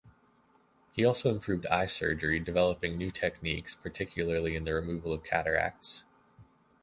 He also improved eye surgery, developing new techniques, particularly in the removal of cataracts.